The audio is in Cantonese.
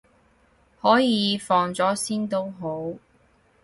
可以，放咗先都好